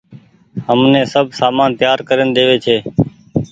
همني سب سامان تيآر ڪرين ۮيوي ڇي۔